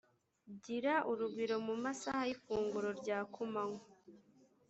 gira urugwiro mu masaha y’ ifunguro rya kumanywa